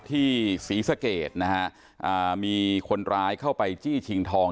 ที่ศรีสะเกจน่ะฮะมีคนร้ายเข้าไปจี้ชิงทอง